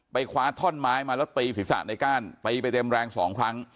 ไปคว้าท่อนไม้มาแล้วตีศิษย์ศาสตร์ในก้านตีไปเต็มแรงสองครั้ง